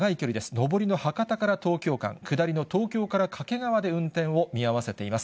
上りの博多から東京間、下りの東京から掛川で運転を見合わせています。